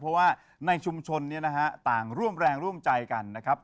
เพราะว่าในชุมชนเนี่ยนะฮะต่างร่วมแรงร่วมใจกันนะครับ